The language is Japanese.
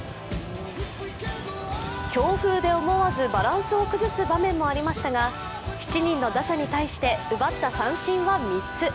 強風で思わずバランスを崩す場面もありましたが７人の打者に対して奪った三振は３つ。